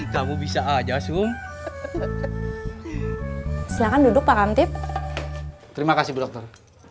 kamu bisa aja sum silakan duduk pak kantip terima kasih dokter